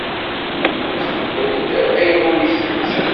Ixebbel-d ayen ur itett.